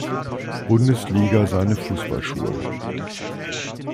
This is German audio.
Bundesliga seine Fußballschuhe.